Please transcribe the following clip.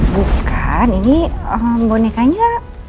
bukan ini bonekanya